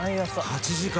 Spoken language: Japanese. ８時間。